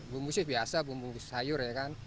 bumbu sih biasa bumbu sayur ya kan